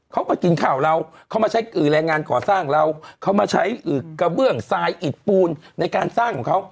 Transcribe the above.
เขามากินข้าวเราเขามาใช้แรงงานก่อสร้างเราเขามาใช้กระเบื้องทรายอิดปูนในการสร้างของเขา